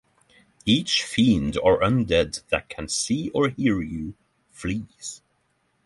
Each fiend or undead that can see or hear you flees.